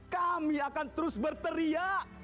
kami akan terus berteriak